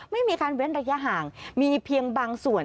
ไม่มีการเว้นระยะห่างมีเพียงบางส่วน